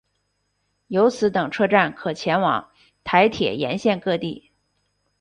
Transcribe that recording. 由此等车站可前往台铁沿线各地。